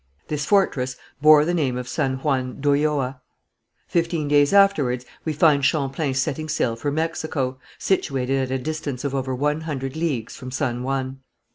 This fortress bore the name of San Juan d'Ulloa. Fifteen days afterwards we find Champlain setting sail for Mexico, situated at a distance of over one hundred leagues from San Juan.